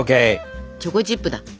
チョコチップだ。